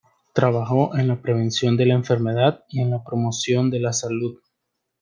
Trabajó en la prevención de la enfermedad y en la promoción de la salud.